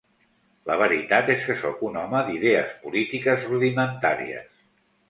La veritat és que sóc un home d’idees polítiques rudimentàries.